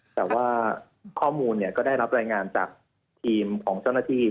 แต่ว่าข้อมูลก็ได้รับรายงานจากทีมของเจ้าหน้าที่